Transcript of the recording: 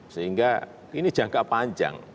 sehingga ini jangka panjang